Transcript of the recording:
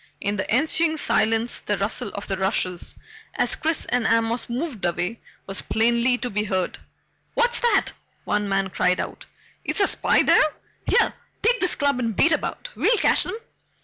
In the ensuing silence the rustle of the rushes as Chris and Amos moved away was plainly to be heard. "What's that?" one man cried out. "Is a spy there? Here take this club and beat about we'll catch 'em!"